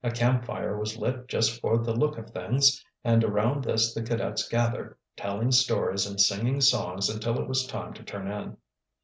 A camp fire was lit just for the look of things, and around this the cadets gathered, telling stories and singing songs until it was time to turn in.